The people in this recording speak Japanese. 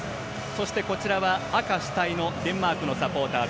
そして、赤主体のデンマークのサポーター。